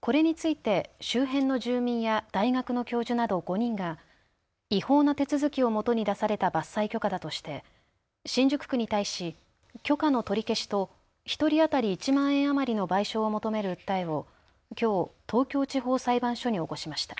これについて周辺の住民や大学の教授など５人が違法な手続きをもとに出された伐採許可だとして新宿区に対し許可の取り消しと１人当たり１万円余りの賠償を求める訴えをきょう東京地方裁判所に起こしました。